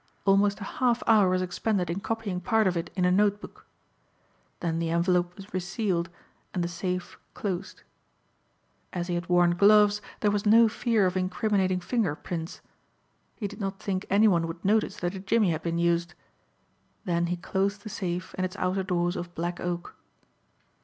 Almost a half hour was expended in copying part of it in a note book. Then the envelope was resealed and the safe closed. As he had worn gloves there was no fear of incriminating finger prints. He did not think anyone would notice that a jimmy had been used. Then he closed the safe and its outer doors of black oak.